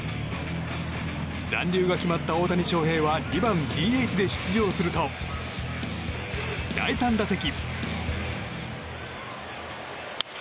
残留が決まった大谷翔平は２番ＤＨで出場すると第３打席。